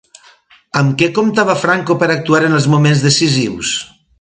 Amb què comptava Franco per actuar en els moments decisius?